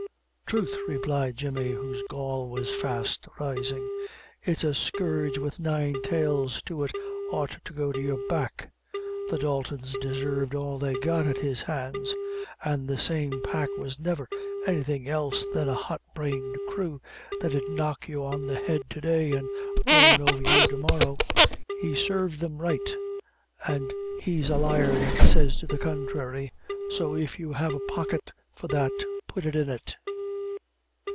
"Troth," replied Jemmy, whose gall was fast rising, "it's a scourge wid nine tails to it ought to go to your back. The Daltons desarved all they got at his hands; an' the same pack was never anything else than a hot brained crew, that 'ud knock you on the head to day, and groan over you to morrow. He sarved them right, an' he's a liar that says to the contrary; so if you have a pocket for that put it in it."